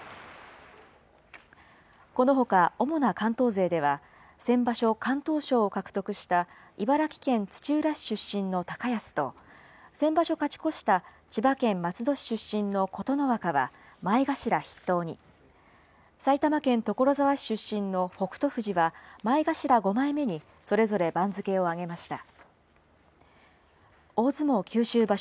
このほか主な関東勢では、先場所、敢闘賞を獲得した茨城県土浦市出身の高安と、先場所勝ち越した千葉県松戸市出身の琴ノ若は前頭筆頭に、埼玉県所沢市出身の北勝富士は前頭５枚目に、それぞれ番付を上げました。